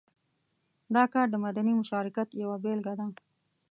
دا کار د مدني مشارکت یوه بېلګه ده.